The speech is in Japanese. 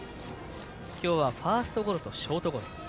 今日は、ファーストゴロとショートゴロ。